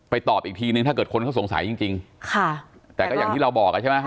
ตอบอีกทีนึงถ้าเกิดคนเขาสงสัยจริงจริงค่ะแต่ก็อย่างที่เราบอกอ่ะใช่ไหม